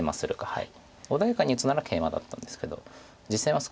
はい。